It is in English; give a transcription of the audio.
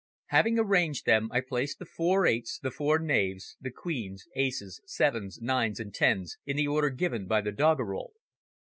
Having arranged them, I placed the four eights, the four knaves, the queens, aces, sevens, nines and tens, in the order given by the doggerel.